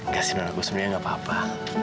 makasih man aku sebenarnya nggak apa apa